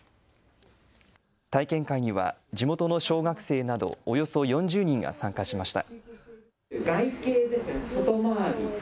体験会には地元の小学生などおよそ４０人が参加しました。